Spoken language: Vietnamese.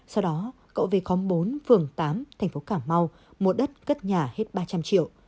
sau đó cậu về khóm bốn phường tám thành phố cảm mau mua đất cất nhà hết ba trăm linh triệu